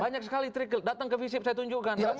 banyak sekali triggel datang ke visip saya tunjukkan